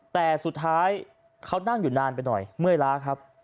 แต่สุดท้ายเขานั่งอยู่นานไปหน่อยเมื่อยล้าครับ